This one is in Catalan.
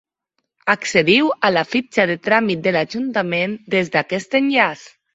Accediu a la fitxa de tràmit de l'Ajuntament des d'aquest enllaç.